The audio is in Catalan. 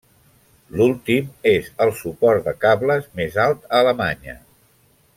L'últim és el suport de cables més alt a Alemanya.